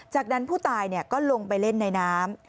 จากนั้นผู้ตายก็ลงไปเล่นในน้ำ